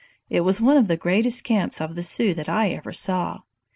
It was one of the greatest camps of the Sioux that I ever saw.